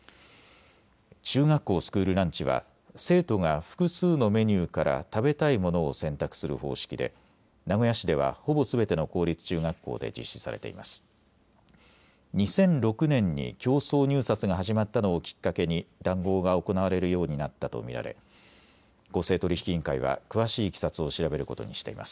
中学校スクールランチは生徒が複数のメニューから食べたいものを選択する方式で名古屋市では、ほぼすべての公立中学校で実施されています。